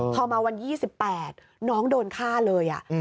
พอมาวัน๒๘น้องโดนฆ่าเลย